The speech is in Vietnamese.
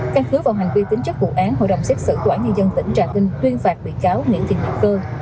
các hứa vào hành vi tính chất vụ án hội đồng xét xử quản nhân dân tỉnh trà kinh tuyên phạt bị cáo nguyễn thiên nhật cơ